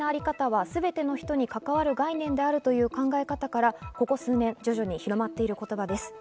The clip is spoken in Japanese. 性的なあり方はすべての人に関わる概念であるという考え方から、ここ数年、徐々に広まっている言葉です。